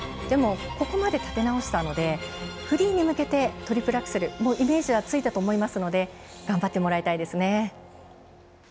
でも、ここまで立て直せたのでフリーに向けてトリプルアクセルイメージはついたと思いますので頑張ってもらいたいですね。